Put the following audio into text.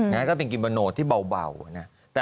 ก็เป็นกิโมโนที่เบานะ